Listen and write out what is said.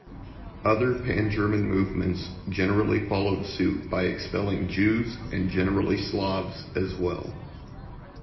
Other pan-German movements generally followed suit by expelling Jews and generally Slavs as well.